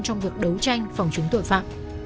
trong việc đấu tranh phòng chống tội phạm